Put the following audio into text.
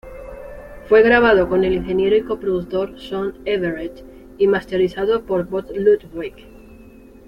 Fue grabado con el ingeniero y co-productor Shawn Everett y masterizado por Bob Ludwig.